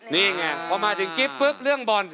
นี่ไงพอมาถึงกิ๊บปุ๊บเรื่องบอล